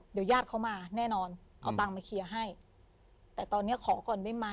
เดี๋ยวญาติเขามาแน่นอนเอาตังค์มาเคลียร์ให้แต่ตอนเนี้ยขอก่อนได้ไหม